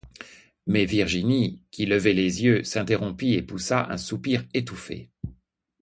Mais Virginie, qui levait les yeux, s'interrompit et poussa un soupir étouffé.